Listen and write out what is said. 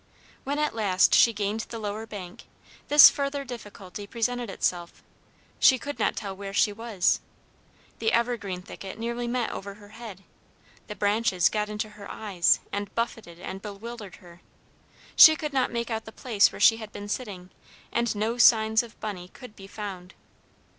When at last she gained the lower bank, this further difficulty presented itself: she could not tell where she was. The evergreen thicket nearly met over her head, the branches got into her eyes, and buffeted and bewildered her. She could not make out the place where she had been sitting, and no signs of Bunny could be found.